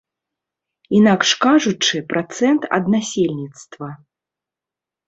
Інакш кажучы, працэнт ад насельніцтва.